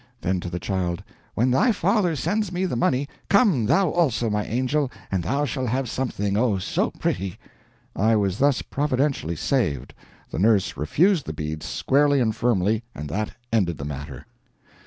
Then to the child: "When thy father sends me the money, come thou also, my angel, and thou shall have something oh so pretty!" I was thus providentially saved. The nurse refused the beads squarely and firmly, and that ended the matter.